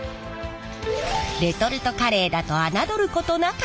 レトルトカレーだと侮ることなかれ。